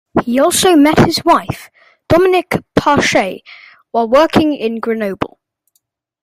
He also met his wife, Dominique Parchet, while working in Grenoble.